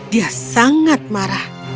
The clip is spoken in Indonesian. dia sangat marah